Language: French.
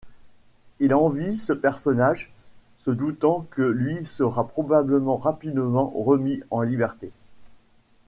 Il envie ce personnage, se doutant que lui sera probablement rapidement remis en liberté.